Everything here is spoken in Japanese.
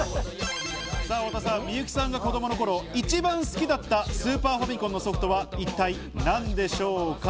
幸さんが子供の頃、一番好きだったスーパーファミコンのソフトは一体何でしょうか？